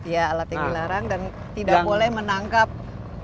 ya alat yang dilarang dan tidak boleh menangkap kepiting atau yang lain